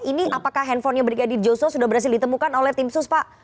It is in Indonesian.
ini apakah handphonenya brigadir joshua sudah berhasil ditemukan oleh tim sus pak